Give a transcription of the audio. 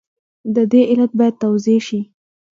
د دې علت باید توضیح شي.